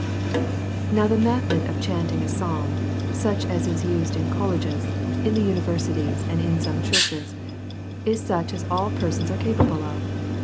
Now, the method of chanting a psalm, such as is used in the colleges, in the universities, and in some churches, is such as all persons are capable of.